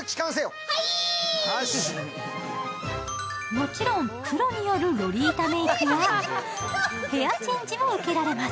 もちろんプロによるロリータメイクやヘアチェンジも受けられます。